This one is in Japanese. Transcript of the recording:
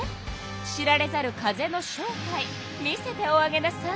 知られざる風の正体見せておあげなさい。